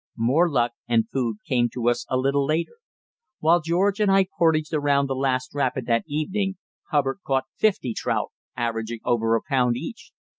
More luck (and food) came to us a little later. While George and I portaged around the last rapid that evening, Hubbard caught fifty trout averaging over a pound each.